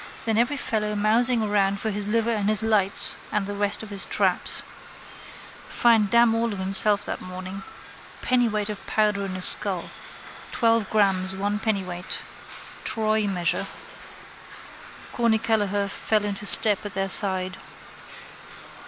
Then every fellow mousing around for his liver and his lights and the rest of his traps. Find damn all of himself that morning. Pennyweight of powder in a skull. Twelve grammes one pennyweight. Troy measure. Corny Kelleher fell into step at their side.